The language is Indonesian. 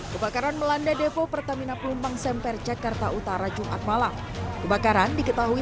kebakaran melanda depo pertamina pelumpang semper jakarta utara jumat malam kebakaran diketahui